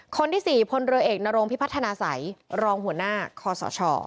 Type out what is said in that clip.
คนที่๔พลเรือเอกนรงพิพัฒนาสัยรองหัวหน้าคอสช